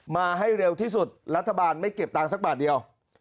มาให้เร็วที่สุดรัฐบาลไม่เก็บตังค์สักบาทเดียว